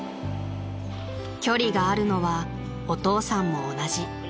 ［距離があるのはお父さんも同じ］